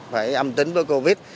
phải âm tính với covid